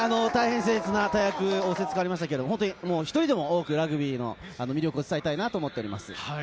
大変、せん越な大役を仰せつかりましたが、１人でも多く、ラグビーの魅力を伝えたいなと思っています。